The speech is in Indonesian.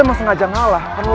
masa gitu doang kalah sih